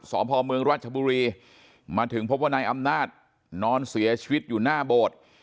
สพเมืองราชบุรีมาถึงพบว่านายอำนาจนอนเสียชีวิตอยู่หน้าโบสถ์